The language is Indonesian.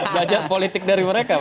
belajar politik dari mereka